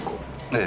ええ。